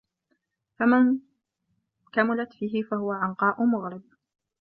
فَمَنْ كَمُلَتْ فِيهِ فَهُوَ عَنْقَاءُ مُغْرِبٍ